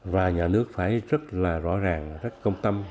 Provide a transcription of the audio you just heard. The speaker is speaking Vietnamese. và nhà nước phải rất là rõ ràng rất công tâm